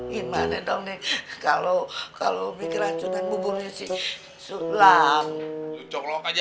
gimana dong nih kalau kalau bikin rancunan buburnya sih sulam coklat aja